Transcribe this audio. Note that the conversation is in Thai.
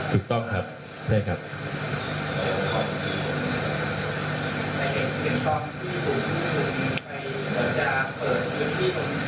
ถูกต้องครับ